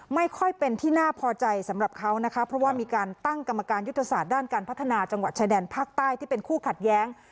ไม่ค่อยเป็นที่น่าพอใจสำหรับเขานะคะเพราะว่ามีการตั้งกรรมการยุทธศาสตร์ด้านการพัฒนาจังหวัดชายแดนภาคใต้ที่เป็นคู่ขัดแย้ง